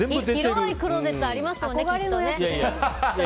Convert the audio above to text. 広いクローゼットありますもんね、きっとね。